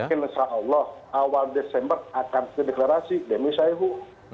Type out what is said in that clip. insya allah awal desember akan deklarasi demi sayhu